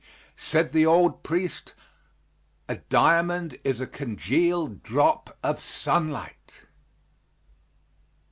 Said the old priest, "A diamond is a congealed drop of sunlight."